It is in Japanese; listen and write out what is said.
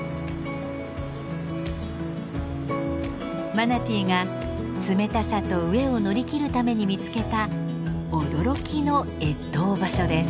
マナティーが冷たさと飢えを乗り切るために見つけた驚きの越冬場所です。